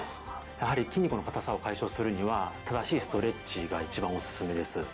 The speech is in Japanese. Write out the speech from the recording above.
やはり筋肉の硬さを解消するには正しいストレッチが一番オススメです